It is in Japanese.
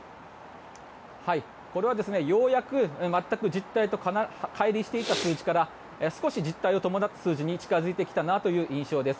これはようやく全く実態とかい離していた数値から少し実態を伴った数字に近付いてきたなという印象です。